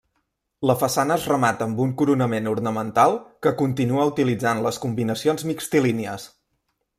La façana es remata amb un coronament ornamental que continua utilitzant les combinacions mixtilínies.